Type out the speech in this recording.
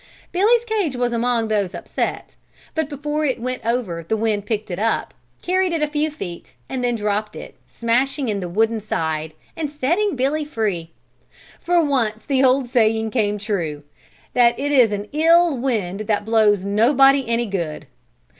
Billy's cage was among those upset, but before it went over the wind picked it up, carried it a few feet and then dropped it, smashing in the wooden side and setting Billy free. For once the old saying came true: "That it is an ill wind that blows nobody any good."